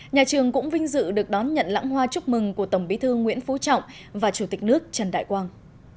nhà trường cũng vinh dự được đón nhận lãng hoa chúc mừng của tổng bí thư nguyễn phú trọng và chủ tịch nước trần đại quang